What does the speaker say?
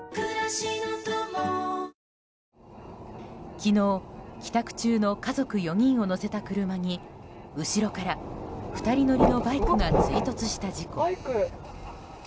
昨日、帰宅中の家族４人を乗せた車に後ろから２人乗りのバイクが追突した事故。